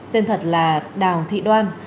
tên thật là đào thị đoan